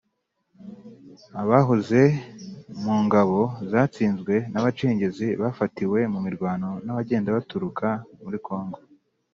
abahoze mu ngabo zatsinzwe n'abacengezi bafatiwe mu mirwano n'abagenda baturuka muri kongo.